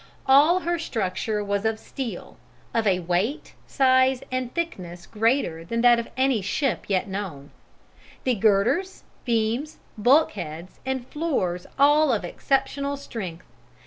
All her structure was of steel, of a weight, size, and thickness greater than that of any ship yet known: the girders, beams, bulkheads, and floors all of exceptional strength.